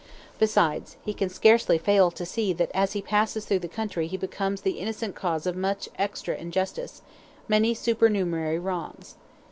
Besides, he can scarcely fail to see that as he passes through the country he becomes the innocent cause of much extra injustice, many supernumerary wrongs.